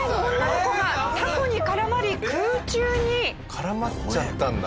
絡まっちゃったんだ。